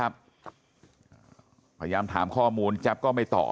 ลูกสาวหลายครั้งแล้วว่าไม่ได้คุยกับแจ๊บเลยลองฟังนะคะ